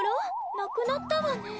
なくなったわね？